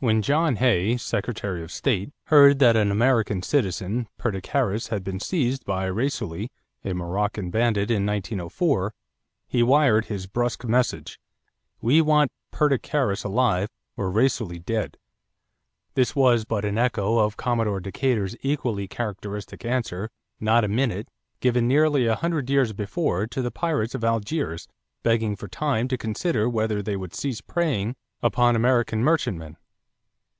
When John Hay, Secretary of State, heard that an American citizen, Perdicaris, had been seized by Raisuli, a Moroccan bandit, in 1904, he wired his brusque message: "We want Perdicaris alive or Raisuli dead." This was but an echo of Commodore Decatur's equally characteristic answer, "Not a minute," given nearly a hundred years before to the pirates of Algiers begging for time to consider whether they would cease preying upon American merchantmen.